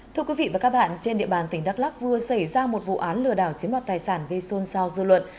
thưa quý vị và các bạn trên địa bàn tỉnh đắk lắc vừa xảy ra một vụ án lừa đảo chiếm đoạt tài sản gây xôn xao dư luận